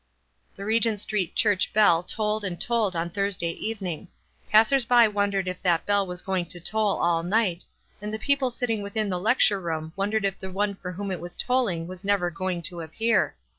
The Regent Street Church bell tolled and tolled on Thursday evening ; passers by won dered if that bell was going to toll all night, and the people sitting within the lecture room wondered if the one for whom it was tolling was never going to appear.